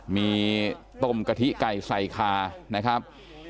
มีต้มกะทิไก่ใส่คานะครับ